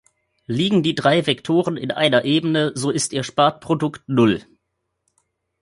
Liegen die drei Vektoren in einer Ebene, so ist ihr Spatprodukt Null.